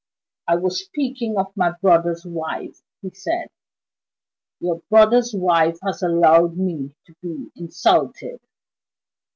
"I was speaking of my brother's wife," he said. "Your brother's wife has allowed me to be insulted."